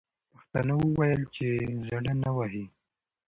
پښتنو وویل چې زړه نه وهي.